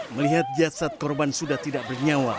melihat jasad korban sudah tidak bernyawa